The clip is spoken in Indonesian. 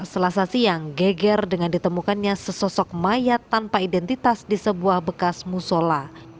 selasa siang geger dengan ditemukannya sesosok mayat tanpa identitas di sebuah bekas musola